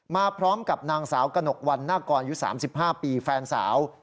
มาพร้อมกับนางสาวกนกวันน่าก่อนอยู่๓๕ปีแฟนสาว